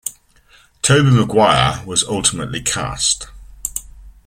Tobey Maguire was ultimately cast.